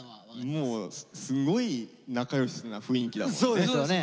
もうすごい仲良しな雰囲気だもんね。